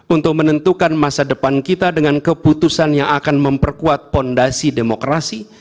untuk menentukan masa depan kita dengan keputusan yang akan memperkuat fondasi demokrasi